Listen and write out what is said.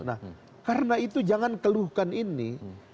nah karena itu jangan keluhkan ini